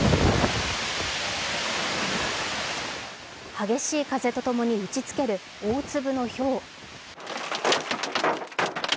激しい風とともに打ちつける大粒のひょう。